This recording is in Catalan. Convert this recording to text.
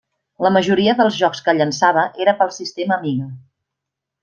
La majoria dels jocs que llençava era pel sistema Amiga.